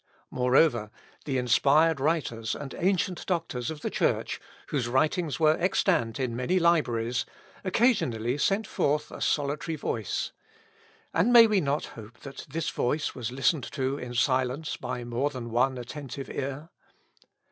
Moreover, the inspired writers and ancient doctors of the Church, whose writings were extant in many libraries, occasionally sent forth a solitary voice; and may we not hope that this voice was listened to in silence by more than one attentive ear?